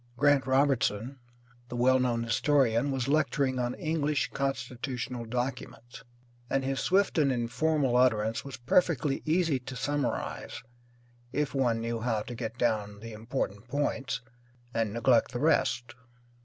Grant Robertson, the well known historian, was lecturing on English constitutional documents, and his swift and informal utterance was perfectly easy to summarize if one knew how to get down the important points and neglect the rest.